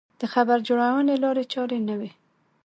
د خبر جوړونې لارې چارې نه وې.